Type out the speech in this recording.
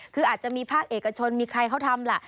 คืออาจจะมีภาคเอกชนมีใครเขาทำล่ะ